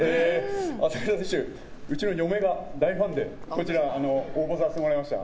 朝倉選手、うちの嫁が大ファンで応募させてもらいました。